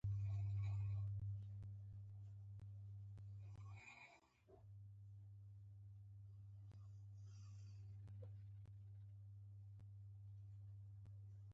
بالاکرزی صاحب له حج څخه تازه راغلی و.